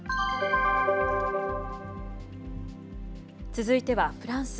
続いてはフランス。